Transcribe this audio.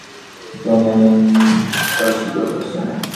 জন Allan তার শিক্ষারও ব্যবস্থা নেন।